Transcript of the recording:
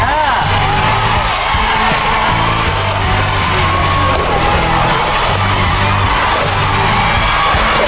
ห้าถุงซะลูก